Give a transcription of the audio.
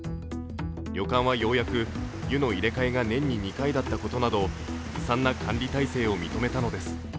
旅館は、ようやく湯の入れ替えが年に２回だったことなどずさんな管理体制を認めたのです。